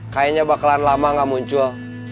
kayaknya bakalan lama gak muncul